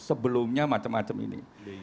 sebelumnya macam macam ini